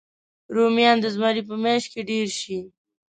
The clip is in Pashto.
رومیان د زمري په میاشت کې ډېر شي